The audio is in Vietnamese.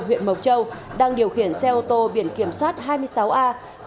huyện mộc châu đang điều khiển xe ô tô biển kiểm soát hai mươi sáu a sáu nghìn bốn trăm ba mươi chín